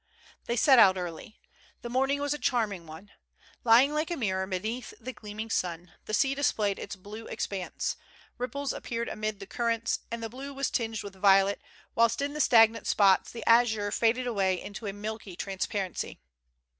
They set out early. The morning was a charming one. Lying like a mirror beneath the gleaming sun, the sea displayed its blue expanse ; ripples appeared amid the currents, and the blue was tinged with violet, whilst in the stagnant spots the azure faded away into a milky transparency.